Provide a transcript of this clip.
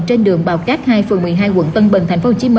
trên đường bào cát hai phường một mươi hai quận tân bình tp hcm